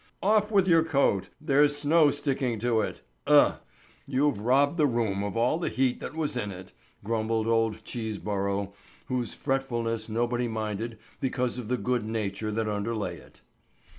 "Off with your coat; there's snow sticking to it! Uh! You've robbed the room of all the heat there was in it," grumbled old Cheeseborough, whose fretfulness nobody minded because of the good nature that underlay it.